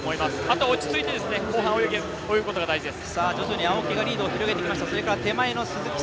後、落ち着いて後半を泳ぐことが大事です。